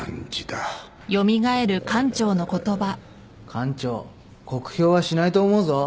館長酷評はしないと思うぞ。